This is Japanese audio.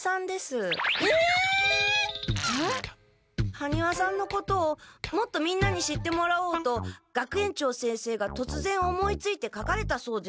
羽丹羽さんのことをもっとみんなに知ってもらおうと学園長先生がとつぜん思いついてかかれたそうです。